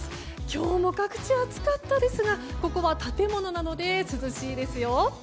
今日も各地、暑かったですがここは建物なので涼しいですよ。